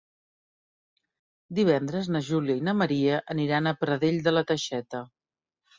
Divendres na Júlia i na Maria aniran a Pradell de la Teixeta.